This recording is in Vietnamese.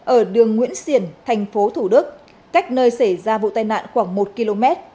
ở đường nguyễn xiển thành phố thủ đức cách nơi xảy ra vụ tai nạn khoảng một km